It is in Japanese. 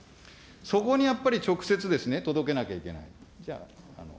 そこにやっぱり直接届けなきゃいけない。